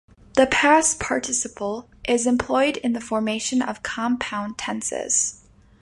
The past participle is employed in the formation of compound tenses.